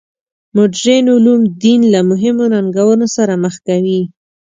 مډرن علوم دین له مهمو ننګونو سره مخ کوي.